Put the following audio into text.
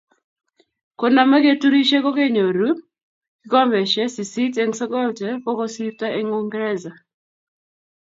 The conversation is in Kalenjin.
Koname keturishe ko kenyoru kikombeshe sisit eng sokol che kokosirto eng Uingreza.